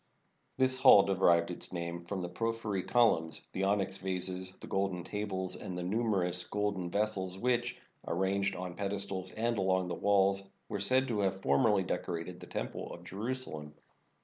This hall derived its name from the prophyry col umns, the onyx vases, the golden tables, and the numer ous golden vessels which, arranged on pedestals and along the walls, were said to have formerly decorated the Temple of Jerusalem.